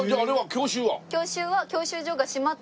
教習は？